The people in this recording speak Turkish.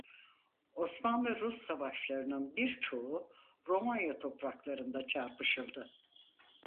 Osmanlı-Rus Savaşları'nın birçoğu Romanya topraklarında çarpışıldı.